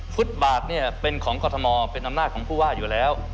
ฟุตบาทเนี่ยเป็นของกรทมเป็นอำนาจของผู้ว่าอยู่แล้ว